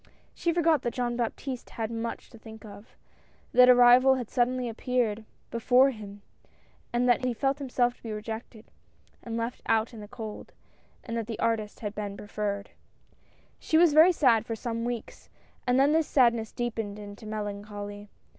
She forgot that Jean Baptiste had much to think of — that a rival had suddenly appeared before him — and that he felt himself to be rejected and left out in the cold, and that the artist had been preferred. She was very sad for some weeks, and then this sad ness deepened into melancholy.